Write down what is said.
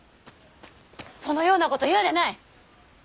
そのようなこと言うでない！